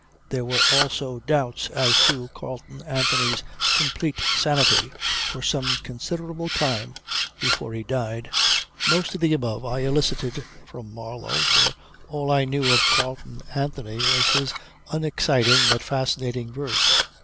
There were also doubts as to Carleon Anthony's complete sanity for some considerable time before he died. Most of the above I elicited from Marlow, for all I knew of Carleon Anthony was his unexciting but fascinating verse.